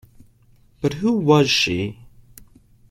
But who was she?